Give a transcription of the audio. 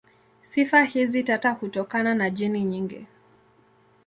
Sifa hizi tata hutokana na jeni nyingi.